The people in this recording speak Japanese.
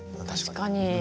確かに。